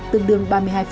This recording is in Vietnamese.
tương đương ba mươi hai